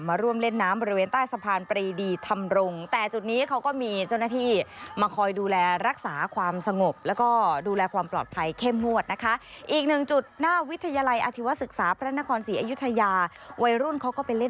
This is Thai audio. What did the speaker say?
มาร่วมเล่นน้ำบริเวณใต้สะพานปรีดีธรรมรงค์